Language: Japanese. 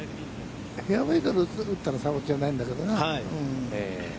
フェアウェイから打ったらさほどじゃないんだけどな。